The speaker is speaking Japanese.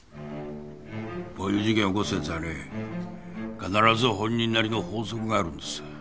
こういう事件起こすやつはね必ず本人なりの法則があるんです。